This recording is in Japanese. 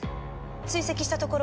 追跡したところ